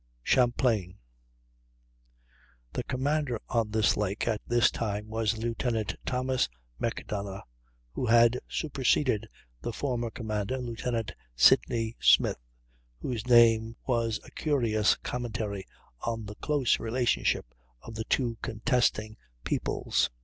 Champlain. The commander on this lake at this time was Lieutenant Thomas Macdonough, who had superseded the former commander, Lieutenant Sydney Smith, whose name was a curious commentary on the close inter relationship of the two contesting peoples.